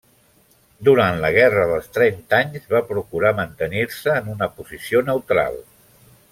Durant la Guerra dels Trenta Anys, va procurar mantenir-se en una posició neutral.